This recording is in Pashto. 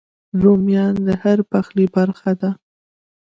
رومیان د هر پخلي برخه دي